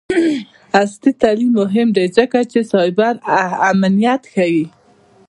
عصري تعلیم مهم دی ځکه چې سایبر امنیت ښيي.